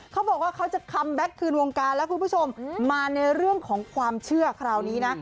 เขาบอกว่าเขาจะคัมแบ็คคืนวงการแล้วคุณผู้ชมมาในเรื่องของความเชื่อคราวนี้นะ